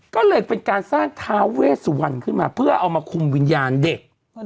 ก็เลยเป็นการสร้างท้าเวสวันขึ้นมาเพื่อเอามาคุมวิญญาณเด็ก